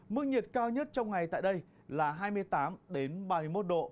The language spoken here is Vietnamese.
mức nhiệt cao nhất trong ngày tại đây là hai mươi tám ba mươi một độ